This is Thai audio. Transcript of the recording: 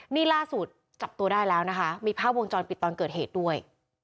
นี่ล่าสุดจับตัวได้แล้วนะคะมีภาพวงจรปิดตอนเกิดเหตุด้วย